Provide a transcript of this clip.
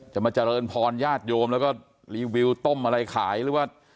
จะมาเจริญพรญาติโยมแล้วก็รีวิวต้มอะไรขายหรือว่า